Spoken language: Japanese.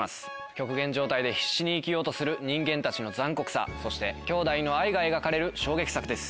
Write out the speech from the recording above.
極限状態で必死に生きようとする人間たちの残酷さそして兄弟の愛が描かれる衝撃作です。